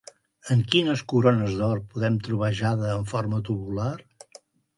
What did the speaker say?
En quines corones d'or podem trobar jade en forma tubular?